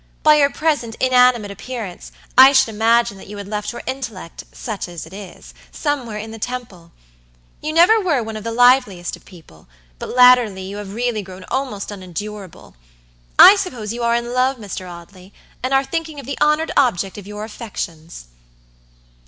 By your present inanimate appearance, I should imagine that you had left your intellect, such as it is, somewhere in the Temple. You were never one of the liveliest of people, but latterly you have really grown almost unendurable. I suppose you are in love, Mr. Audley, and are thinking of the honored object of your affections."